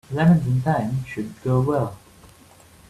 Lemons and thyme should go well.